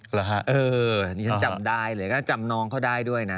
เหรอฮะเออนี่ฉันจำได้เลยก็จำน้องเขาได้ด้วยนะ